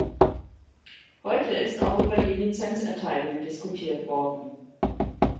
Heute ist auch über die Lizenzerteilung diskutiert worden.